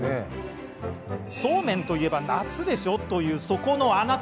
そうめんといえば夏でしょ！という、そこのあなた。